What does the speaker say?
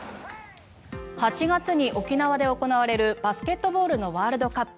８月に沖縄で行われるバスケットボールのワールドカップ。